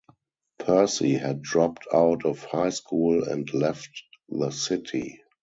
Pursy had dropped out of high school and left the city.